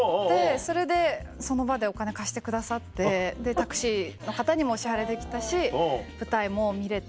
それでその場でお金貸してくださってタクシーの方にもお支払いできたし舞台も見れて。